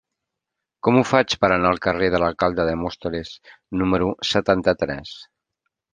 Com ho faig per anar al carrer de l'Alcalde de Móstoles número setanta-tres?